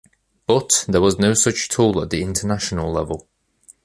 But, there was no such tool at the international level.